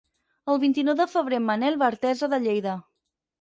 El vint-i-nou de febrer en Manel va a Artesa de Lleida.